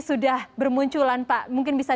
sudah bermunculan pak mungkin bisa